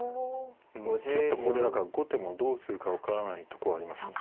ちょっとここで何か後手もどうするか分からないとこありますね。